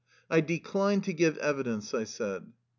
I decline to give evidence/' I said.